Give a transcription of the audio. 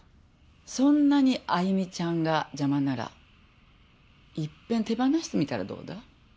そんなに愛魅ちゃんが邪魔なら一遍手放してみたらどうだ？